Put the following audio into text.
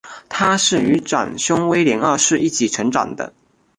她是与长兄威廉二世一起成长的。